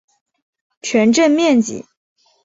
全镇面积。